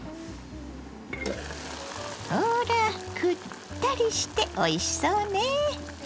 ほらくったりしておいしそうね。